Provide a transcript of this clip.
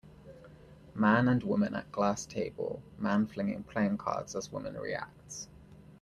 Man and woman at glass table, man flinging playing cards as woman reacts.